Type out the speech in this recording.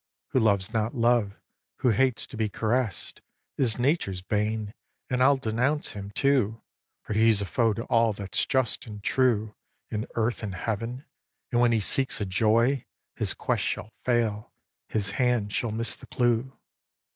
Who loves not love, who hates to be caress'd, Is Nature's bane; and I'll denounce him, too. For he's a foe to all that's just and true In earth and Heaven; and when he seeks a joy, His quest shall fail, his hand shall miss the clue.